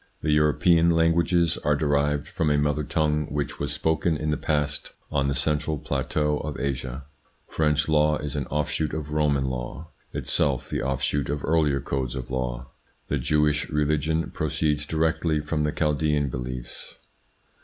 The European languages are derived from a mother tongue which was spoken in the past on the central plateau of Asia. French law is an offshoot of Roman law, itself the offshoot of earlier codes of law. The Jewish religion proceeds directly from the Chaldaean beliefs.